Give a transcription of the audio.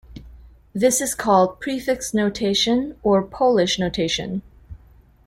This is called "prefix notation" or "Polish notation".